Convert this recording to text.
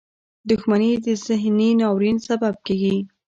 • دښمني د ذهني ناورین سبب کېږي.